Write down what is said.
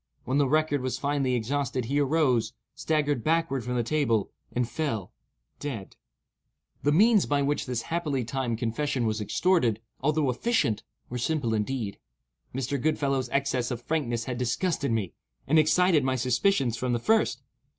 When the record was finally exhausted, he arose, staggered backward from the table, and fell—dead. The means by which this happily timed confession was extorted, although efficient, were simple indeed. Mr. Goodfellow's excess of frankness had disgusted me, and excited my suspicions from the first.